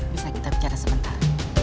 bisa kita bicara sebentar